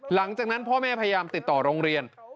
หลังจากนั้นพ่อแม่พยายามติดต่อโรงเรียน